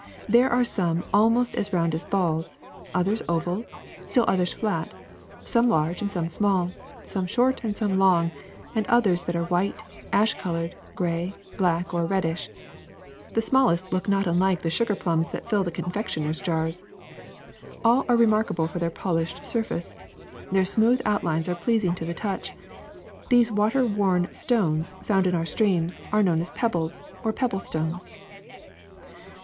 There are some almost as round as balls, others oval, still others flat, some large and some small, some short and some long, and others that are white, ash colored, gray, black, or reddish. The smallest look not unlike the sugar plums that fill the confectioner's jars. All are re markable for their polished surface. Their smooth outlines are pleasing to the touch. These water worn stones found in our streams are known as peb bles or pebble stones.